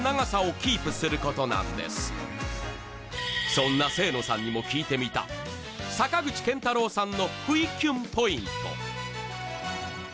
そんな清野さんにも聞いてみた坂口健太郎さんの不意キュンポイント